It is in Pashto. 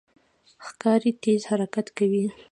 ښکاري تېز حرکت کوي.